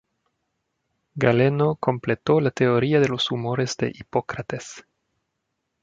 Galeno completó la teoría de los humores de Hipócrates.